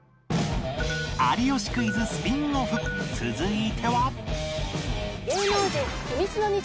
『有吉クイズ』スピンオフ続いては